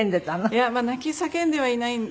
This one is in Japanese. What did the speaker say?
いやまあ泣き叫んではいない。